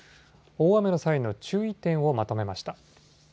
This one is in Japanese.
大雨の際の注意点をまとめました。